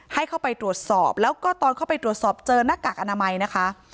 ให้เข้าไปตรวจสอบแล้วก็ตอนเข้าไปตรวจสอบเจอหน้ากากอนามัยนะคะ